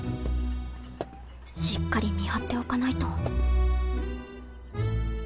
しっかり見張っておかないと